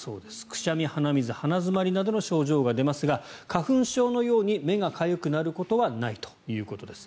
くしゃみ、鼻水、鼻詰まりなどの症状が出ますが花粉症のように目がかゆくなることはないということです。